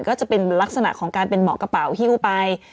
ก็จะเป็นลักษณะของการเป็นเหมาะกระเป๋าฮิ้วไป